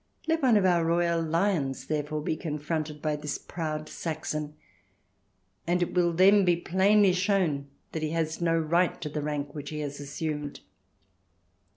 Let one of our royal lions, therefore, be confronted by this proud Saxon, and it will then be plainly shown that he has no right to the rank which he has assumed."